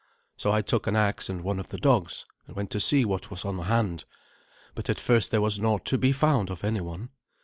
So I took an axe and one of the dogs, and went to see what was on hand, but at first there was naught to be found of anyone.